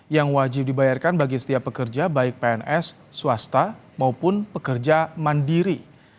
yang wajib dibayarkan bagi setiap pekerja baik pns swasta maupun pekerja mandiri